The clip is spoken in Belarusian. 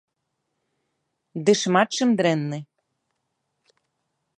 Ды шмат чым дрэнны.